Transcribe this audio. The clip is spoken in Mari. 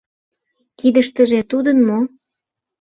Кидыштыже тудын мо?